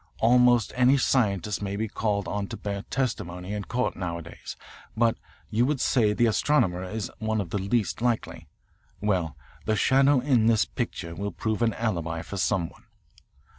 Almost any scientist may be called on to bear testimony in court nowadays, but you would say the astronomer is one of the least likely. Well, the shadow in this picture will prove an alibi for some one.